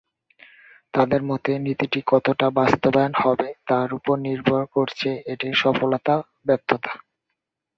তাঁদের মতে, নীতিটি কতটা বাস্তবায়ন হবে তার ওপর নির্ভর করছে এটির সফলতা-ব্যর্থতা।